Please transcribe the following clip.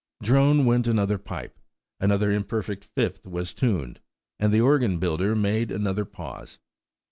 Drone went another pipe, another imperfect fifth was tuned, and the organ builder made another pause.